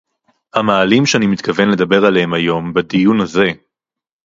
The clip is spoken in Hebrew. המאהלים שאני מתכוון לדבר עליהם היום בדיון הזה